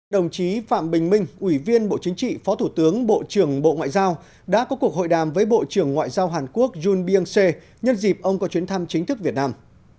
đồng chí phạm bình minh ủy viên bộ chính trị phó thủ tướng bộ trưởng bộ ngoại giao đã có cuộc hội đàm với bộ trưởng ngoại giao hàn quốc yun biong sê nhân dịp ông có chuyến thăm chính thức việt nam